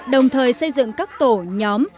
đồng thời xây dựng các tổ nhóm